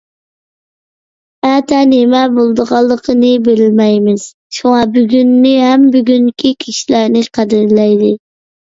ئەتە نېمە بولىدىغانلىقىنى بىلمەيمىز. شۇڭا بۈگۈننى ھەم بۈگۈنكى كىشىلەرنى قەدىرلەيلى!